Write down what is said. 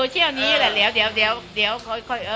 ใช่ตัวนี้เหละเออตัวนี้ใช่ใช่ใช่